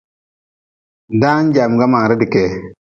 Daan jamga man ridi kee.